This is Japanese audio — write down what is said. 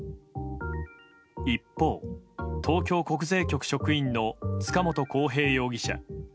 一方、東京国税局職員の塚本晃平容疑者。